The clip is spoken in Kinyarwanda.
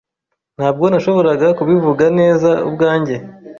Ntabwo nashoboraga kubivuga neza ubwanjye.